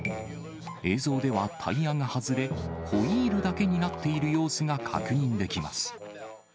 映像ではタイヤが外れ、ホイールだけになっている様子が確認できます。